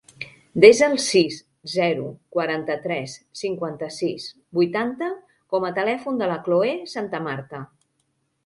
Desa el sis, zero, quaranta-tres, cinquanta-sis, vuitanta com a telèfon de la Cloè Santamarta.